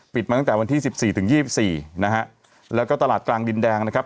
มาตั้งแต่วันที่สิบสี่ถึงยี่สิบสี่นะฮะแล้วก็ตลาดกลางดินแดงนะครับ